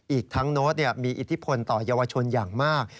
อีกทั้งโน้ตมีอิทธิพลต่อเยาวชนอย่างมาก